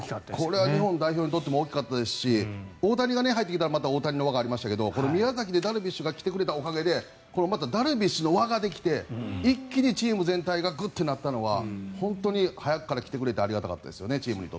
これは日本代表にとっても大きかったですし大谷が入ってきたらまた大谷の輪がありましたが宮崎で、ダルビッシュが来てくれたおかげでまたダルビッシュの輪ができて一気にチーム全体がグッとなったのが本当に早くから来てくれてありがたかったですよね